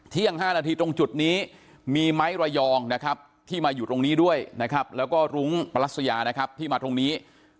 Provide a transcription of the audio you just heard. ๕นาทีตรงจุดนี้มีไม้ระยองนะครับที่มาอยู่ตรงนี้ด้วยนะครับแล้วก็รุ้งปรัสยานะครับที่มาตรงนี้